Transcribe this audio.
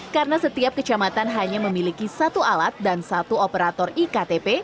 karena setiap kecamatan hanya memiliki satu alat dan satu operator iktp